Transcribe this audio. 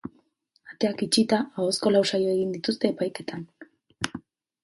Ateak itxita, ahozko lau saio egin dituzte epaiketan.